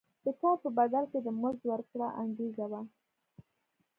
د کار په بدل کې د مزد ورکړه انګېزه وه.